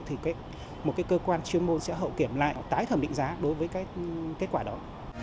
thì một cơ quan chuyên môn sẽ hậu kiểm lại tái thẩm định giá đối với kết quả đó